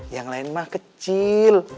yang lain mah kecil